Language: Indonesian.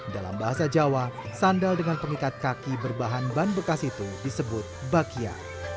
dalam bahasa jawa sandal dengan pengikat kaki berbahan ban bekas itu disebut bakia